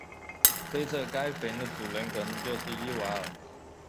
推测该坟的主人可能就是伊瓦尔。